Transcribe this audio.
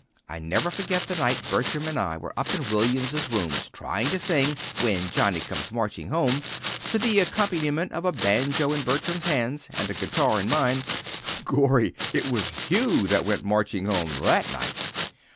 I never forgot the night Bertram and I were up in William's room trying to sing 'When Johnnie comes marching home,' to the accompaniment of a banjo in Bertram's hands, and a guitar in mine. Gorry! it was Hugh that went marching home that night."